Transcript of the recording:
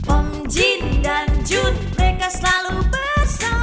om jin dan jun mereka selalu bersama